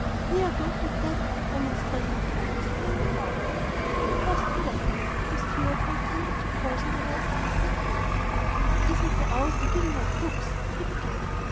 "Here, don't do that," remonstrated Tom, springing forward. But it was too late, and the steward who attended to calls on the library stepped in. "It isn't the hour for giving out books," he began.